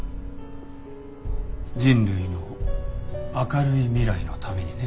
人類の明るい未来のためにね。